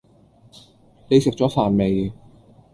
你食咗飯未